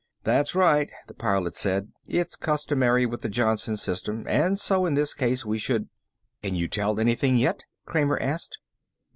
"That's right," the Pilot said. "It's customary with the Johnson system, and so in this case we should " "Can you tell anything yet?" Kramer asked.